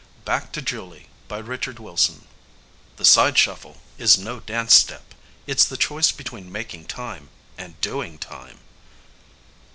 Back to Julie By RICHARD WILSON Illustrated by VIDMER _The side shuffle is no dance step. It's the choice between making time ... and doing time!